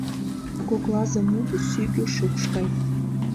Коклазе мут сӱгӧ шукш гай.